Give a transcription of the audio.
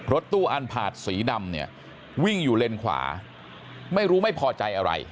รถตู้อันพาดสีดำเนี่ยวิ่งอยู่เลนขวาไม่รู้ไม่พอใจอะไร